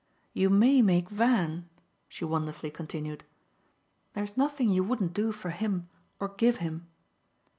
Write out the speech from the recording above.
You may make Van," she wonderfully continued. "There's nothing you wouldn't do for him or give him."